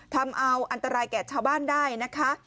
ทำเอาอันตรายแก่ชาวบ้านได้นะคะ